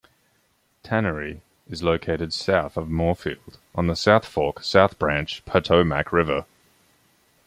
Tannery is located south of Moorefield on the South Fork South Branch Potomac River.